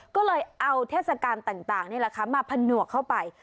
ก็เลยเอาเทศกาลต่างนี่แหละค่ะมาผนวกเข้าไป